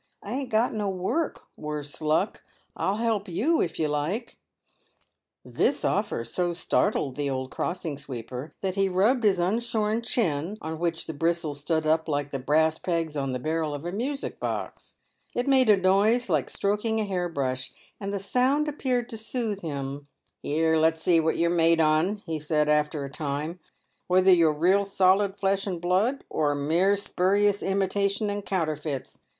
" I ain't got no work, worse luck. I'll help you, if you like." This offer so startled the old crossing sweeper, that he rubbed his unshorn chin, on which the bristles stood up like the brass pegs on the barrel of a musical box. It made a noise like stroking a hair brush, and the sound appeared to soothe him. " Here, let's see what you're made on," he said, after a time —" whether you're real solid flesh and blood, or mere spurious imita shun and counterfeits.